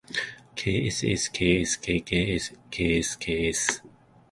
ｋｓｓｋｓｋｋｓｋｓｋｓ